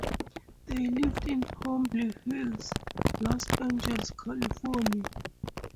They live in Holmby Hills, Los Angeles, California.